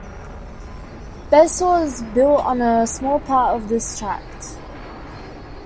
Basehor is built on a small part of this tract.